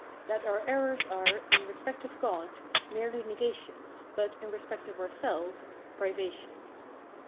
That our errors are, in respect of God, merely negations, but, in respect of ourselves, privations.